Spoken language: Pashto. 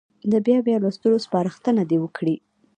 د بیا بیا لوستلو سپارښتنه دې وکړي.